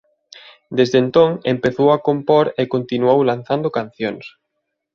Desde entón empezou a compor e continuou lanzando cancións.